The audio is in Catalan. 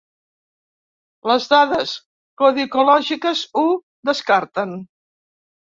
Les dades codicològiques ho descarten.